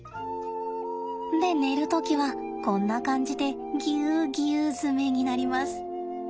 で寝る時はこんな感じでぎゅうぎゅう詰めになります。